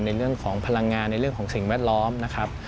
ในเรื่องของพลังงานในเรื่องของสิ่งแวดล้อมนะครับ